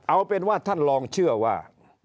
เอาเป็นว่าท่านลองเชื่อว่า